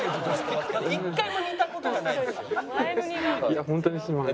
いやホントにすまない。